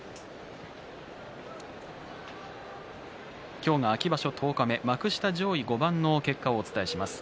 今日が秋場所十日目幕下上位５番の結果をお伝えします。